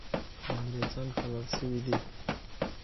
انګریزان حلال سوي دي.